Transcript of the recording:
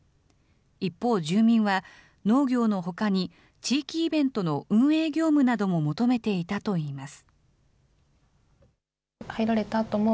一方、住民は、農業のほかに、地域イベントの運営業務なども求めていたといいます。